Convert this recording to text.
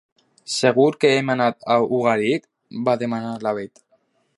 Segur que hem anat a Ugarit? —va demanar la Bet.